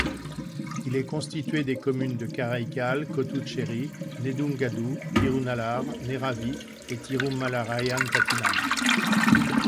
Il est constitué des communes de Karaikal, Kottucherry, Nedungadu, Thirunallar, Neravy et Tirumalairayanpattinam.